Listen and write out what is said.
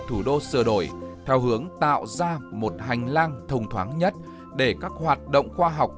thủ đô sửa đổi theo hướng tạo ra một hành lang thông thoáng nhất để các hoạt động khoa học